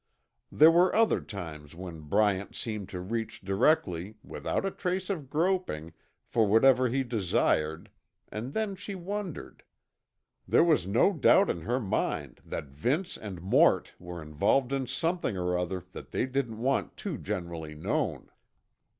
There were other times when Bryant seemed to reach directly, without a trace of groping, for whatever he desired, and then she wondered. There was no doubt in her mind that Vince and Mort were involved in something or other that they didn't want too generally known.